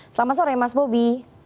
selamat sore mas bobi